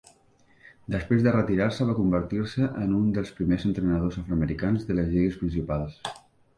Després de retirar-se, va convertir-se en un dels primers entrenadors afroamericans de les lligues principals.